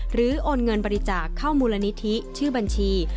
โอนเงินบริจาคเข้ามูลนิธิชื่อบัญชี